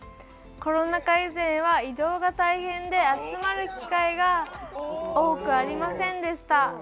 コロナ禍以前は移動が大変で集まる機会が多くありませんでした。